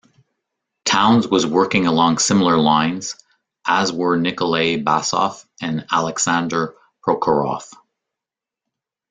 Townes was working along similar lines, as were Nikolay Basov and Aleksandr Prokhorov.